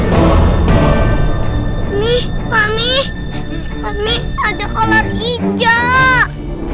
kami kami kami ada kalang ijak